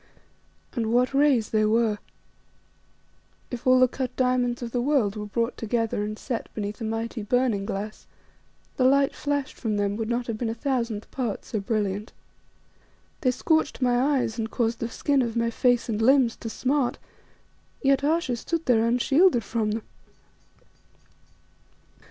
And what rays they were! If all the cut diamonds of the world were brought together and set beneath a mighty burning glass, the light flashed from them would not have been a thousandth part so brilliant. They scorched my eyes and caused the skin of my face and limbs to smart, yet Ayesha stood there unshielded from them.